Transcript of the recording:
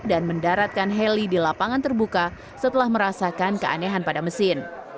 dan mendaratkan heli di lapangan terbuka setelah merasakan keanehan pada mesin